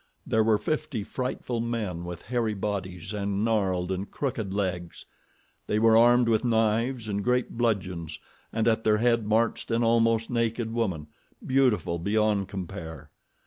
There were fifty frightful men with hairy bodies and gnarled and crooked legs. They were armed with knives and great bludgeons and at their head marched an almost naked woman, beautiful beyond compare.